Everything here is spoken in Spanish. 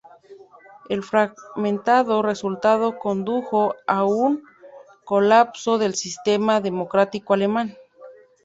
El fragmentado resultado condujo a un colapso del sistema democrático alemán.